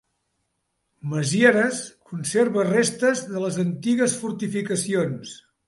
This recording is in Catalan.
Mézières conserva restes de les antigues fortificacions.